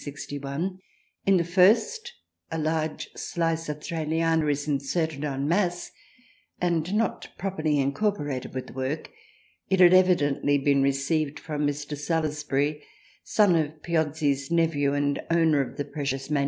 In the first a large slice of " Thraliana " is inserted en masse, and not properly incorporated with the work. It had 2 THRALIANA evidently been received from Mr. Salusbury son of Piozzi's nephew and owner of the precious MS.